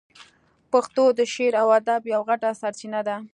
پښتو د شعر او ادب یوه غټه سرچینه ده.